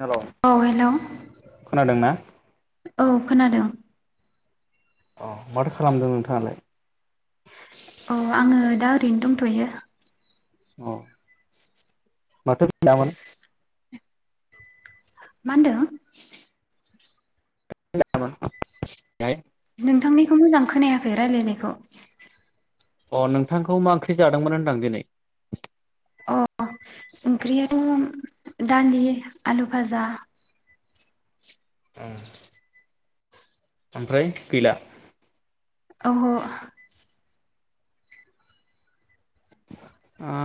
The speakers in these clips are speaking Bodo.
हेलौ औ हेल' खोनादोंना औ खोनादों? अह माथो खालामदों नोंथाङालाय? अह आङो दा ओरैनो दंथ'यो। अह माथो [unintelligible] मा होनदों? [unintelligible] नोंथांनिखौ मोजां खोनायाखै रायलायनायखौ। अह नोंथांखौ मा ओंख्रि जादोंमोन होनदां दिनै? अह ओंख्रियाथ' दालि आलु भाजा ओम ओमफ्राय गैला? औहो ओ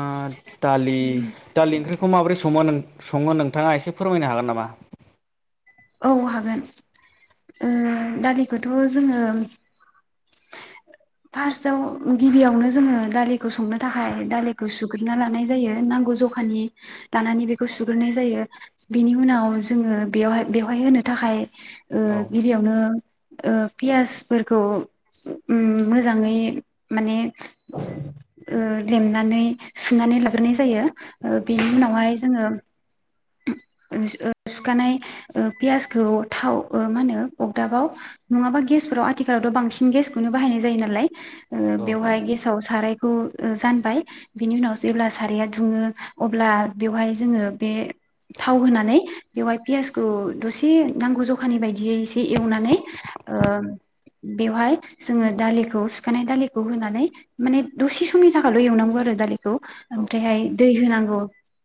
दालि दालि ओंख्रि खौ माबोरै सङो नों सङो नोंथाङा एसे फोरमायनो हागोन नामा? औ हागोन ओ दालिखौथ' जोङो फार्स्टआव गिबियावनो जोङो दालिखौ संनो थाखाय दालिखौ सुग्रोना लानाय जायो नांगौ जखानि दानानै बेखौ सुग्रोनाय जायो बिनि उनाव जोङो बेयावहाय बेवहाय होनो थाखाय ओ औ गिबियावनो ओ पियासफोरखौ ओम मोजाङै माने ओ औ लेमनानै सुनानै लाग्रोनाय जायो ओ बेनि उनावहाय जोङो ओ ओ सुखानाय ओ पियासखौ थाव ओ मा होनो अगदाबाव नङाबा गेसफोराव आथिखालावथ' बांसिन गेसखौनो बाहायनाय जायो नालाय ओ औ बेवहाय गेसाव सारायखौ ओ जानबाय बिनि उनाव जेब्ला साराइाया दुङो अब्ला बेवहाय जोङो बे औ थाव होनानै बेवहाय पियासखौ दसे नांगौ जखानि बायदियै एसे एवनानै ओ बेवहाय जोङो दालिखौ सुखानाय दालिखौ होनानै माने दसे समनि थाखायल' एवनांगौ आरो दालिखौ औ ओमफ्रायहाय दै होनांगौ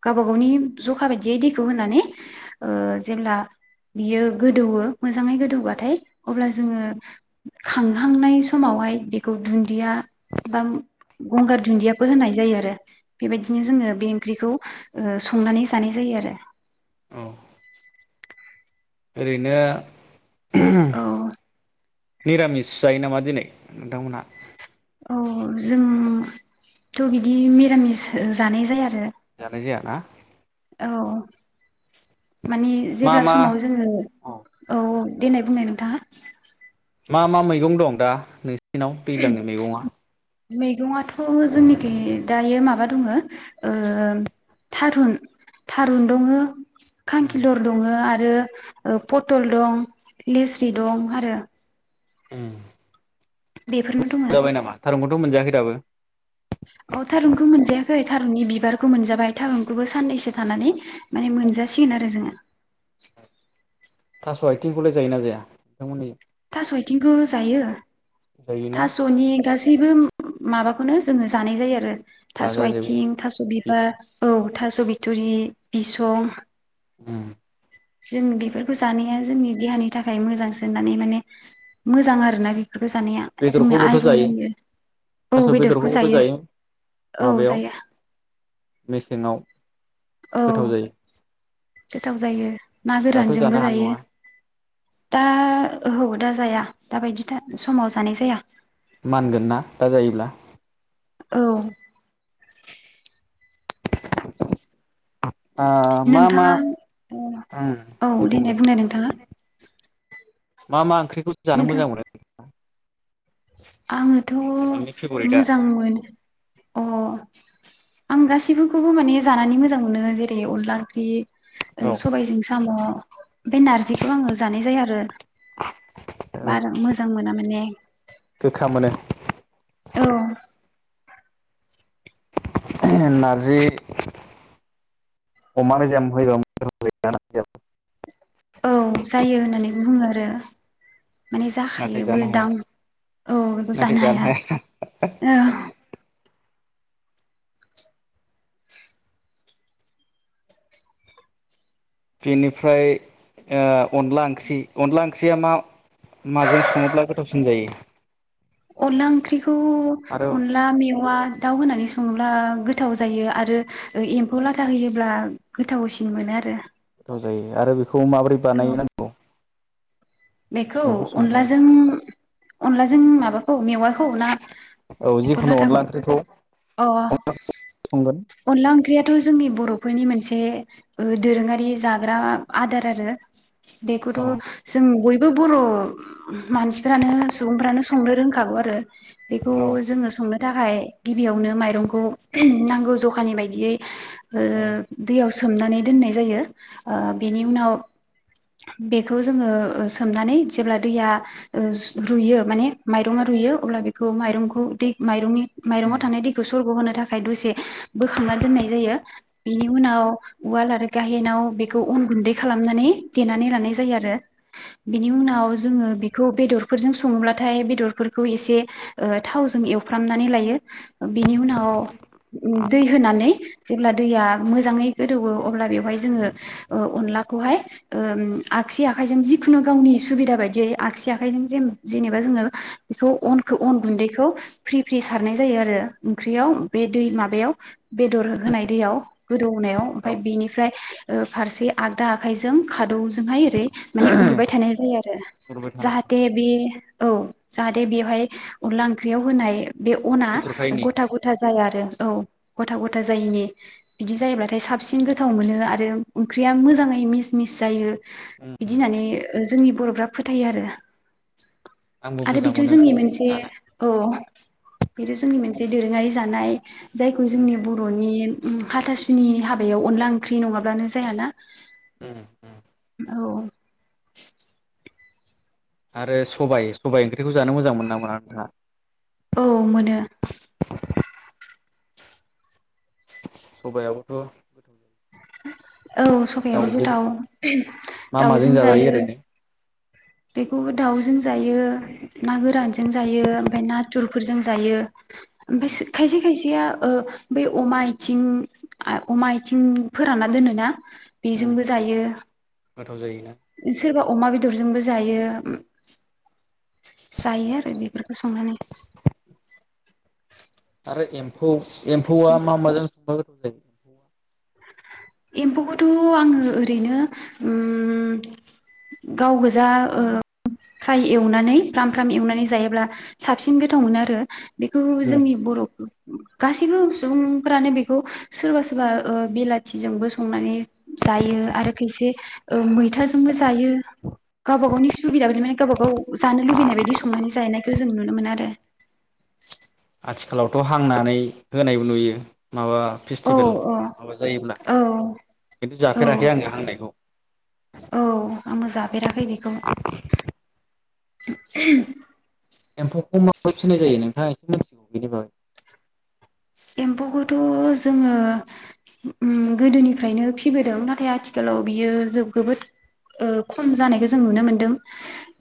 गावबा गावनि जख जखा बायदियै दैखौ होनानै ओ जेब्ला बियो गोदौयो मोजाङै गोदौबाथाय अब्ला जोङो खांहांनाय समावहाय बेखौ दुदिया बा गंगार दुदियाफोर होनाय जायो आरो बेबायदिनो जोङो बे ओंख्रिखौ ओ संनानै जानाय जायो आरो। औ ओरैनो ओम औ निरामिस जायो नामा दिनै नोंथांमोनहा? औ जोंथ' बिदि मिरामिस ओ जानाय जाया। आरो जानाय जाया ना? औ माने जेब्ला समाव जोङो औ देनाय बुंनाय नोंथाङा। मा मा मैगं दं दा नै दिनाव दैज्लांनि मैगङा मैगङाथ जोंनिथिं दायो माबा दङ ओ थारुन थारुन दङ खांखिलर दङ आरो पथल दं लेस्रि दं आरो ओम। बेफोरनो दङ। थ मोनजाखै दाबो? अ थारुनखौ मोनजायाखै थारुननि बिबारखौ मोनजाबाय थारुनखौबो साननैसो थानानै माने मोनजासिगोन आरो जोङो। थास' आथिंखौलाय जायोना जाया? नोंथांमोननि थास आयथिंखौबो जायो। जायोना थासनि गासैबो माबाखौनो जोङो जानाय जायो आरो थास जाजाजोबो आथिं थास बिबार औ थास बिथुरि, बिसं ओम। जों बेफोरखौ जानाया जोंनि देहानि थाखाय मोजांसो होननानै माने मोजां आरो ना बेखौ जानाया जोंनो बेदरखौबोथ' आइरन जायो होयो थास' औ बेदरखौ बेदरखौबोथ' जायो औ माबायाव जायो मेसेङाव औ। गोथाव जायो गोथाव जायो ना दाथ' जानो गोरानजोंबो हानाय जायो। नङा दा औ दा जाया दाबायदि समाव जानाय जाया। मानगोन ना दा जायोब्ला? औ ओ मा मा नोंथाङा उम औ दे देनाय बुंलाय बुंनाय नोंथाङा मा मा ओंख्रिखौ जानो नोंथां मोजां मोनो [inaudible] आङोथ नोंनि फेभरिटआ मोजां मोन अ आं गासैखौबो माने जानानै मोजां मोनो जेरै अनला ओंख्रि औ सबायजों साम बे नारजिखौ आङो जानाय जाया आरो औ बारा मोजां मोना माने गोखा मोनो‌। औ नारजि अमा मेजेम होयोबो गोथाव जायोना नारजियाबो। औ जायो होननानै बुङो आरो माने नाथाय जाखायोबो जानो हाया दां औ बेखौ जानो हाया औ। बेनिफ्राय ओ अनला ओंख्रि अनला ओंख्रिया मा माजों सङोब्ला गोथावसिन जायो अनला ओंख्रिखौ आरो अनला मेवा दाउ होनानै सङोब्ला गोथाव जायो आरो ओ एम्फौ लाथा होयोब्ला गोथावसिन मोनो आरो गोथाव जायो आरो बे खौ माबोरै औ बानायोनांगौ? बेखौ अनलाजों अनलाजों माबा औ मेवाखौ ना औ एम्फै जिखुनु लाथाखौ? अनला ओंख्रिखौ अ संगोन अनला ओंख्रियाथ जोंनि बर फैनि मोनसे ओ दोरोङारि जाग्रा आदार आरो औ बेखौथ' जों बय बो बर' मानसिफ्रानो सुबुंफ्रानो संनो रोंखागौ आरो। बेखौ औ जोङो संनो थाखाय गिबियावनो माइरंखौ ओहोम नांगौ जखानि बायदियै ओ औ दैयाव सो सोमनानै दोननाय जायो ओ बेनि उनाव बेखौ जोङो ओ सो सोमनानै जेब्ला दैया ओ सु रुयो माने माइरङा रुयो अब्ला बेखौ माइरंखौ दै माइरंनि माइरंआव थानाय दैखौ सरगहोनो थाखाय दसे बोखांना दोननाय जायो। बेनि उनाव उवाल आरो गाहेनाव बेखौ अन गुन्दै खालामनानै देनानै लानाय जायो आरो बिनि उनाव जोङो बेखौ बेदरफोरजों सङोब्लाथाय बेदरफोरखौ एसे ओ थावजों एवफ्रामनानै लायो बिनि उनाव उम दै होनानै जेब्ला दैया मोजाङै गोदौवो अब्ला बेवहाय जोङो ओ अनलाखौहाय ओम आगसि आखाइजों जि खुनु गावनि सुबिदा बायदियै आगसि आखाइजों जेन-जेनेबा जोङो बेखौ अनखौ अन गुन्दै बेखौ फ्रि फ्रि सारनाय जायो आरो ओंख्रियाव बे दै माबायाव बेदर होनाय दैयाव गोदौनायाव ओमफाय औ बेनिफ्राय ओ फारसे आगदा आखाइजों खादौजोंहाय एरै माने उरबाय थानाय जायो आरो हरबाय थानांगौ जाहाथे बे औ जाहाथे बेवहाय अनला ओंख्रियाव होनाय बे अना बेथरखायनि गथा गथा जा जाया आरो औ गथा गथा जायैनि बिदि जायोब्लाथाय साबसिन गोथाव मोनो आरो ओं-ओंख्रिया मोजाङै मिस मिस जायो। बिदि होनानै ओ जोंनि बर'फ्रा फोथायो आरो ना आंबो आरो मोजां मोनो बेथजोंनि मोनसे जानो औ बेनो जोंनि मोनसे दोरोङारि जानाय। जायखौ जोंनि बरनि हाथासुनि हाबायाव अनला ओंख्रि नङाब्लानो जायाना उम उम औ आरो सबाइ सबाइ ओं खौ जानो मोजां मोनो ना मोना नोंहा औ मोनो सबायाबोथ' गोथाव जायो [inaudible] औ सबायाबो गोथाव, मा माजों दाउजों जाजायो जायो। बेखौबो दाउजों जायो ना गोरानजों जायो ओमफाय नाथुरफोरजों जायो ओरैनो ओमफायस खायसे खायसे खायसेया ओ बै अमा आथिं अमा आथिं फोरानना दोनोना बेजोंबो जायो गोथाव जायोना सोरबा। अमा बेदरजोंबो जायो उम जायो आरो। फोरखौ संनानै आरो एम एम्फौआ मा माजों संबा [inaudible] एम्फौखौथ आङो ओरैनो गाव गोजा ओ फ्राय एवनानै फ्राम फ्राम एवनानै जायायोब्ला साबसिन गोथाव मोनो आरो बेखौ जोंनि बर'खौ गासिबो सुबुंफोरानो बेखौ सोरबा -सोरबा ओ बिलाथिजोंबो संनानै जायो आरो खायसे ओ मैथाजोंबो जायो गावबा गावनि सुबिदा बाइदि माने गाबा गाव जानो लुबैनाय बायदि संनानै जानायखौ जों नुनो मोनो आरो आथिखालावथ हांनानै होनायबो नुयो माबा औ फेस्टिभेल औ माबा जायोब्ला औ खिन्थु औ जाफेराखै आङो हांनायखौ। औ आंबो जाफेराखै बेखौ [inaudible] [inaudible] एम्फौखौ माबोरै फिसिनाय जायो नोंथाङा एसे मिथिगौ बेनि बागै एम्फौखौथ' जोङो उम गोदोनिफ्रायनो फिबोदों नाथाय आथिखालाव बियो ओ जोबोद खम जानायखौ जों नुनो मोनदों।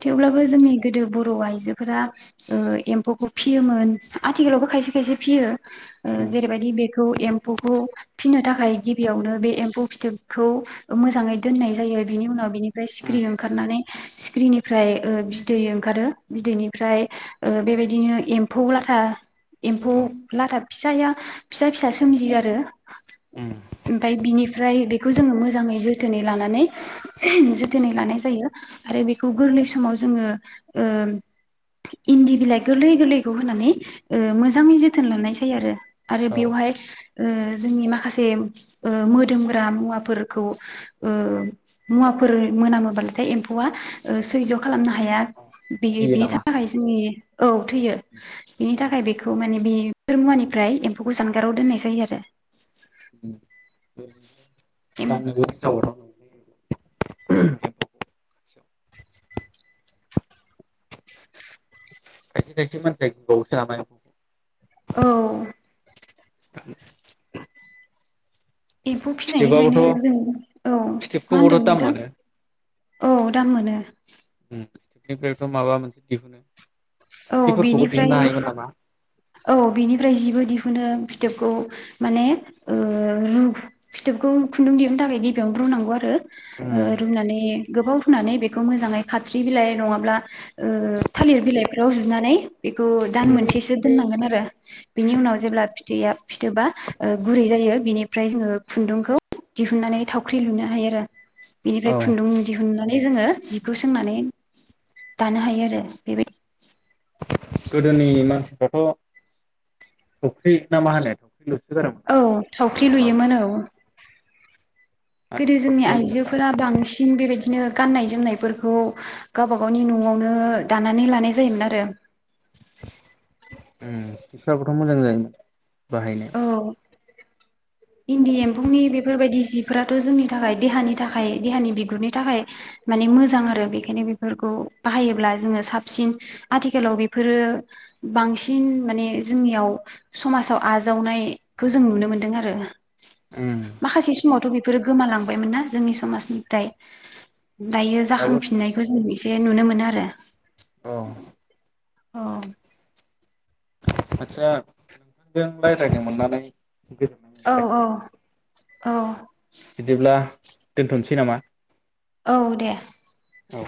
थेवब्लाबो जोंनि गोदो बर आइजोफोरा ओ एम्फौखौ फियोमोन आथिखालावबो खायसे -खायसे फियो ओ जेरैबायदि बेखौ एम्फौखौ फिसिनो थाखाय गिबियावनो बे एम्फौ फिथोबखौ मोजाङै दोननाय जायो बिनि उनाव बिनि। ओमफ्राय सिख्रि ओंखारनानै सिख्रिनिफ्राय ओ बिदै ओंखारो बिदैनिफ्राय ओ बेबायदिनो एम्फौ लाथा एम्फौ औ लाथाब फिसाया फिसा फिसा सोमजियो आरो। ओमफाय बिनिफ्राय बेखौ जोङो मोजाङै जो थोनै लानानै जोथोनै लानाय जायो आरो बेखौ गोरलै समाव जोङो ओ इन्दि बिलाइ गोरलै गोरलैखौ होनानै ओ मोजाङै जोथोन लानाय जा फै आरो आरो औ बेवहाय ओ जोंनि माखासे ओ मोदोमग्रा मुवाफोरखौ ओ मुवाफोर मोनामोब्लाथाय एम्फौआ सैज' खालामनो हाया बेयो थैयो बेनि नामा थाखाय जोंनि औ थैयो बिनि थाखाय बेखौ माने बे फोर मुवानिफ्राय एम्फौखौ जानगाराव दोननाय जायो आरो [unintelligible] [unintelligible] [inaudible] खायसे खायसे मानसिया [unintelligible] औ [inaudible] एम्फौ फिथोबाबोथ' फिनायनिफ्रायनो जों औ मा होनदों फिथोबखौबोथ' दाम नोंथां? मोनो औ दाम मोनो। फिथोबनिफ्रायथ' माबा मोनसे दिहुनो। औ सिफोरखौबो बेनिफ्राय दिहुननो हायोमोन नामा औ बिनिफ्राय जिबो दिहुनो फिथोबखौ माने ओ रु फिथोबखौ खुन्दुं दिहुननो थाखाय गिबियावनो रुनांगौ आरो ओ रुनानै गोबाव रुनानै बेखौ मोजाङै खाथ्रि बिलाइ नङाब्ला ओ थालिर बिलाइफ्राव जुनानै बेखौ दान मोनसेसो द गोन आरो बिनि उनाव जेब्ला फिथ बेनिफ्राय औ खुन्दुं दिहुननानै। जोङो जिखौ सोंनानै, दानो हायो आरो बेबादि गोदोनि मानसिफ्राथ' [inaudible] फुख्रि ना मा होनो? लुसो गारोमोन ना औ थावख्रि माबा लुयोमोन औ गोदो आथिखालावथ' जोंनि नुनो मोनला आइजोफोरा बांसिन बेबायदिनो गाननाय जोमनायफोरखौ गावबा गावनि न'आवनो दानानै लानाय जायोमोन आरो उम सिफ्राबोथ' मोजां जायोमोन बाहायनो औ इन्दि एम्फौनि बेफोरबायदि जिफोराथ' जोंनि थाखाय देहानि थाखाय देहानि बिगुरनि थाखाय माने मोजां आरो बेखायनो बेफोरखौ बाहायोब्ला जोङो साबसिन आथिखालाव बेफोरो बांसिन माने जोंनियाव समाजाव आजावनायखो जों नुनो मोनदों आरो। उम [inaudible] माखासे समावथ' बि बेफोरो गोमालांबायमोन ना जोंनि समाजनिफ्राय दायो दाबो जाखांफिननायखौ जों एसे ए नुनो मोनो आरो अ। अ आदसा नोंथांजों रायज्लायनो मोननानै गोजोननाय औ मोनबाय औ औ बिदिब्ला दोनथ'सै नामा? औ दे औ